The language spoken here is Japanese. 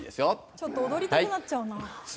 ちょっと踊りたくなっちゃうな。